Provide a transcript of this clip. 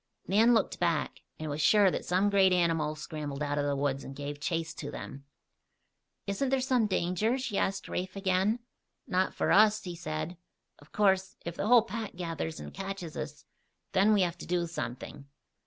Nan looked back, and was sure that some great animal scrambled out of the woods and gave chase to them. "Isn't there some danger?" she asked Rafe again. "Not for us," he said. "Of course, if the whole pack gathers and catches us, then we have to do something."